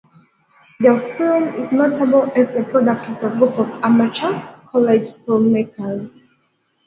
This film is notable as the product of a group of amateur college filmmakers.